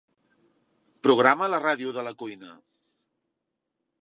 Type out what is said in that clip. Programa la ràdio de la cuina.